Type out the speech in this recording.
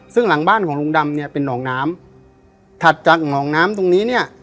ซึ่งหลังบ้านของลุงดำเนี่ยเป็นหนองน้ำถัดจากหนองน้ำตรงนี้เนี่ย